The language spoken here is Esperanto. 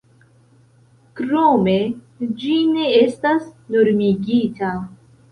Krome, ĝi ne estas normigita.